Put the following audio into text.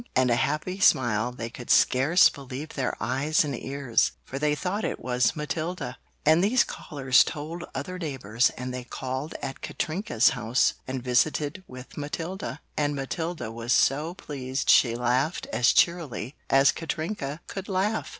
and a happy smile they could scarce believe their eyes and ears, for they thought it was Matilda. And these callers told other neighbors and they called at Katrinka's house and visited with Matilda and Matilda was so pleased she laughed as cheerily as Katrinka could laugh.